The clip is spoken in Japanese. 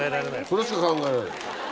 それしか考えられない。